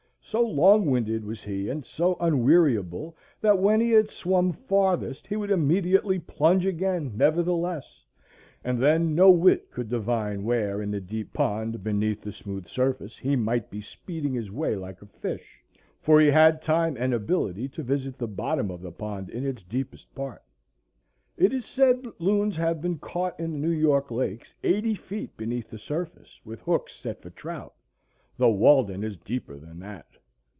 So long winded was he and so unweariable, that when he had swum farthest he would immediately plunge again, nevertheless; and then no wit could divine where in the deep pond, beneath the smooth surface, he might be speeding his way like a fish, for he had time and ability to visit the bottom of the pond in its deepest part. It is said that loons have been caught in the New York lakes eighty feet beneath the surface, with hooks set for trout,—though Walden is deeper than that.